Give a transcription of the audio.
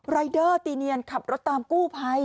รายเดอร์ตีเนียนขับรถตามกู้ภัย